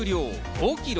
５ｋｇ？